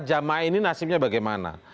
jemaah ini nasibnya bagaimana